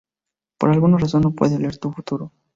Por alguna razón, no puedo leer tu futuro.